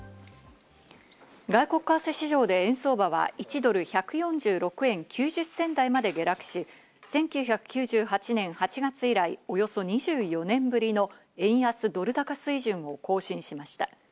外国為替市場で円相場は１ドル＝１４６円９０銭台まで下落し、１９９８年８月以来、およそ２４年ぶりの円安ドル高水準を更新しました。